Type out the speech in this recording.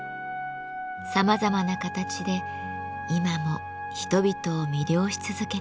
さまざまな形で今も人々を魅了し続けています。